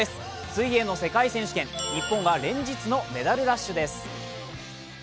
水泳の世界選手権、日本は連日のメダルラッシュです。